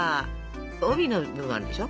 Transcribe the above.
帯の部分あるでしょ？